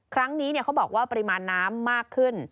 ครั้งนี้เขาบอกว่าปริมาณน้ำมากขึ้น